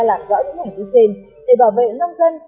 làm rõ những hành vi trên để bảo vệ nông dân